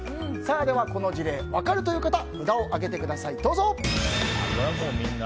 ではこの事例分かるという方札を上げてください。